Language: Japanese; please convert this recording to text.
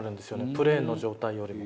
プレーンの状態よりも。